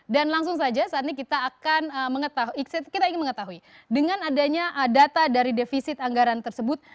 dan langsung saja saat ini kita ingin mengetahui dengan adanya data dari defisit anggaran tersebut